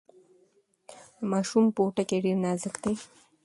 د ماشوم پوټکی ډیر نازک دی۔